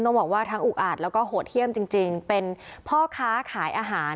บอกว่าทั้งอุกอาจแล้วก็โหดเยี่ยมจริงจริงเป็นพ่อค้าขายอาหาร